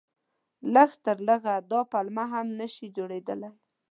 لږ تر لږه دا پلمه هم نه شي جوړېدلای.